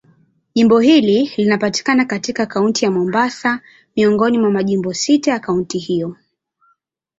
Jimbo hili linapatikana katika Kaunti ya Mombasa, miongoni mwa majimbo sita ya kaunti hiyo.